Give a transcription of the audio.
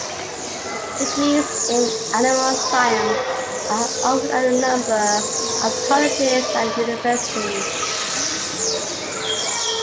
Degrees in Animal Science are offered at a number of colleges and universities.